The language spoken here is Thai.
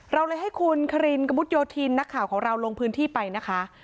เราเลยให้คุณคารินกระมุดโยธินนักข่าวของเราลงพื้นที่ไปนะคะ